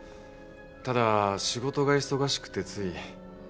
ただ仕事が忙しくてつい。